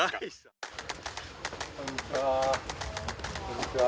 こんにちは。